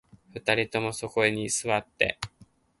二人ともそこに座って